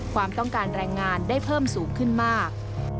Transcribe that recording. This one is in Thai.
ความต้องการแรงงานได้เพิ่มสูงขึ้นมาก